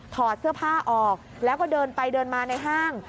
ถอดเสื้อผ้าออกแล้วก็เดินไปเดินมาในห้าง